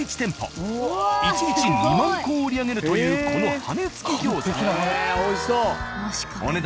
１日２万個を売り上げるというこの羽根付き餃子。